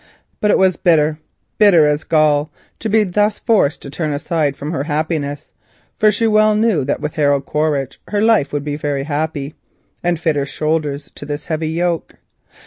But it was bitter, bitter as gall, to be thus forced to turn aside from her happiness—for she well knew that with Harold Quaritch her life would be very happy—and fit her shoulders to this heavy yoke.